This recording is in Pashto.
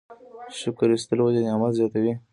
شکر ایستل ولې نعمت زیاتوي؟